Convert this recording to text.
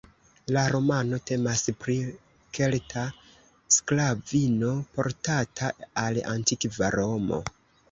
La romano temas pri kelta sklavino, portata al antikva Romo.